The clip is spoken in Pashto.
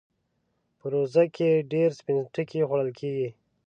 په روژه کې ډېر سپين ټکی خوړل کېږي.